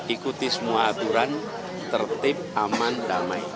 ikuti semua aturan tertib aman damai